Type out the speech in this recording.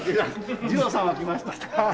二郎さんは来ました。